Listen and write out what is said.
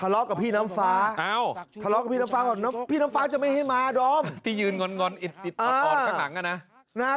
งอนอิดอ่อนข้างหลังนะ